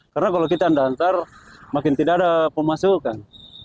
karena kalau kita hantar makin tidak ada pemasukan